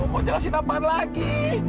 mau jelasin apaan lagi